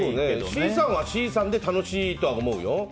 ＣさんはＣさんで楽しいとは思うよ。